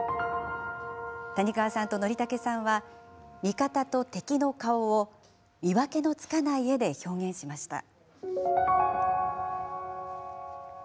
谷川さんとＮｏｒｉｔａｋｅさんは味方と敵の顔を見分けのつかない絵で表現しました。